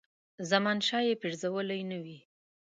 زمانشاه یې پرزولی نه وي.